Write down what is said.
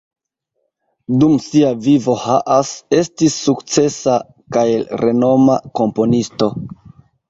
Dum sia vivo Haas estis sukcesa kaj renoma komponisto.